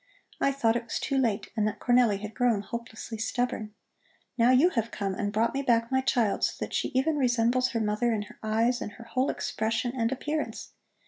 I thought it was too late and that Cornelli had grown hopelessly stubborn. Now you have come and brought me back my child so that she even resembles her mother in her eyes and her whole expression and appearance.